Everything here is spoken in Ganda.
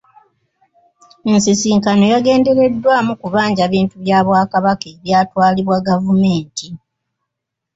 Ensisinkano yagendereddwamu kubanja bintu bya Bwakabaka ebyatwalibwa gavumenti.